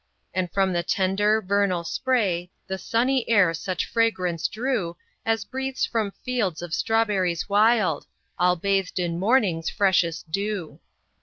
And from the tender, vernal spray The sunny air such fragrance drew, As breathes from fields of strawberries wild, All bathed in morning's freshest dew.